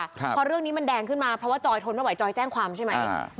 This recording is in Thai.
เพราะเรื่องนี้มันแดงขึ้นมาเพราะว่าจอยทนไม่ไหวจอยแจ้งความใช่ไหม